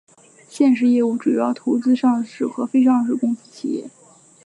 现时业务为主要投资上市和非上市公司企业。